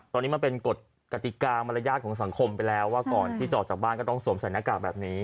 ตอนนี้มันเป็นกฎกติกามารยาทของสังคมไปแล้วว่าก่อนที่จะออกจากบ้านก็ต้องสวมใส่หน้ากากแบบนี้